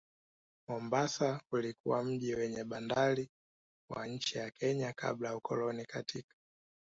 Mombasa ulikuwa mji wenye bandari wa nchi ya Kenya kabla ya ukoloni katika